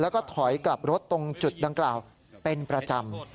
แล้วก็ถอยกลับรถตรงจุดดังกล่าวเป็นประจำ